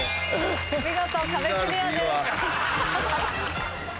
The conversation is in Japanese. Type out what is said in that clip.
見事壁クリアです。